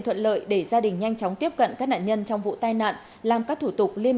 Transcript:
thuận lợi để gia đình nhanh chóng tiếp cận các nạn nhân trong vụ tai nạn làm các thủ tục liên